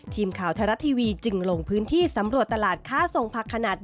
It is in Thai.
ทีมข่าวไทยรัฐทีวีจึงลงพื้นที่สำรวจตลาดค้าส่งผักขนาด